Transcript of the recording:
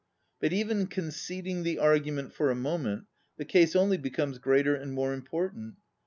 But even conceding the argument for a moment, the case only becomes greater and more important.